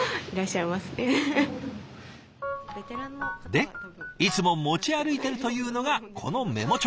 でいつも持ち歩いてるというのがこのメモ帳。